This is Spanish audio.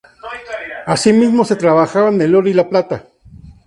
Asimismo se trabajaban el oro y la plata.